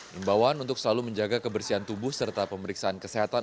himbawan untuk selalu menjaga kebersihan tubuh serta pemeriksaan kesehatan